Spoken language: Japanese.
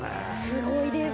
すごいです。